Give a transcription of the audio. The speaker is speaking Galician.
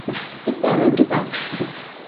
Este ano é brutal.